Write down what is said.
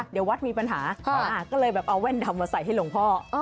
เดี๋ยววัดมีปัญหาก็เลยแบบเอาแว่นดำมาใส่ให้หลวงพ่อ